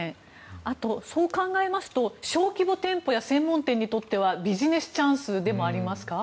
あと、そう考えますと小規模店舗や専門店にとってはビジネスチャンスでもありますか。